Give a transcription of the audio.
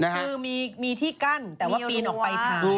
คือมีที่กั้นแต่ว่าปีนออกไปท้าย